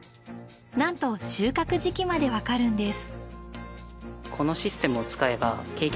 なんと収穫時期までわかるんです。